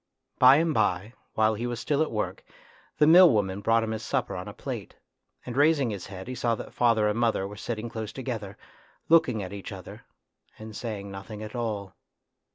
By and by, while he was still at work, the mill woman brought him his supper on a plate, and raising his head he saw that father and mother were sitting close together, looking at each other, and saying nothing at all.